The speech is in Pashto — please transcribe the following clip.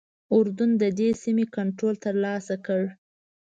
اردن ددې سیمې کنټرول ترلاسه کړ.